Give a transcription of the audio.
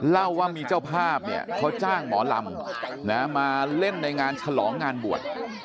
เล่าว่ามีเจ้าภาพเนี่ยเขาจ้างหมอลำมาเล่นในงานฉลองงานบวช